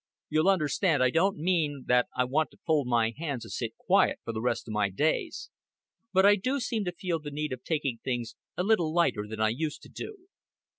You'll understand, I don't mean that I want to fold my hands and sit quiet for the rest of my days. But I do seem to feel the need of taking things a little lighter than I used to do."